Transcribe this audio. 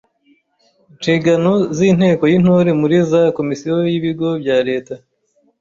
Inshingano z’inteko y’Intore muri za Komisiyo n’ibigo bya leta